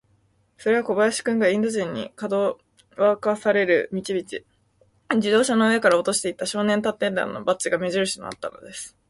それは小林君が、インド人に、かどわかされる道々、自動車の上から落としていった、少年探偵団のバッジが目じるしとなったのです。